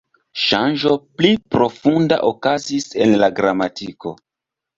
Ŝanĝo pli profunda okazis en la gramatiko.